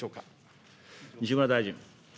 西村大臣。